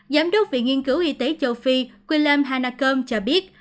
giám đốc viện nghiên cứu y tế châu phi quy lâm hanakom cho biết